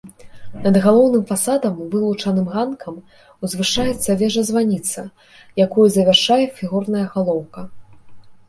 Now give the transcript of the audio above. Над галоўным фасадам, вылучаным ганкам, узвышаецца вежа-званіца, якую завяршае фігурная галоўка.